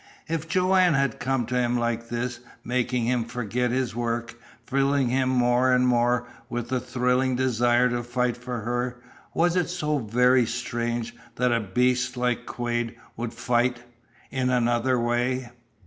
If Joanne had come to him like this, making him forget his work, filling him more and more with the thrilling desire to fight for her, was it so very strange that a beast like Quade would fight in another way?